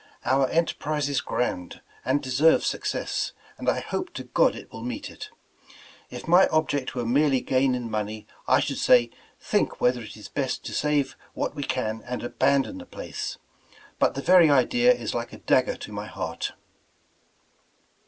Our enterprise is grand, and deserves success, and I hope to God it will meet it. If my object were merely gain in money, I should say, think wlieth*',r it is best to save what we can and abandon the place; but the very idea is like a dagger to my heart.